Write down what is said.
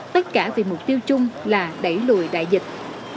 tất cả vì mục tiêu chung là đẩy lùi đại dịch